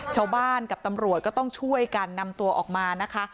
ชาวบ้านกับตำรวจก็ต้องช่วยกันนำตัวออกมานะคะ